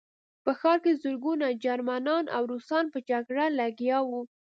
په ښار کې زرګونه جرمنان او روسان په جګړه لګیا وو